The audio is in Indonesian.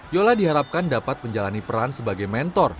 yola diharapkan dapat menjalani peran sebagai mentor